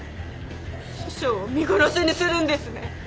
師匠を見殺しにするんですね。